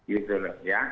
gitu loh ya